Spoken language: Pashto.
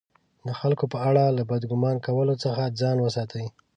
د خلکو په اړه له بد ګمان کولو څخه ځان وساتئ!